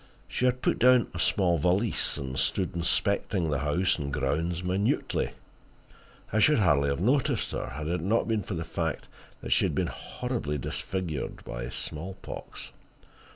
She had put down a small valise, and stood inspecting the house and grounds minutely. I should hardly have noticed her, had it not been for the fact that she had been horribly disfigured by smallpox.